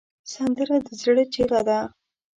سندره د زړه چیغه ده